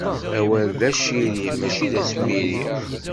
Awal d aciri mačči d asmiri.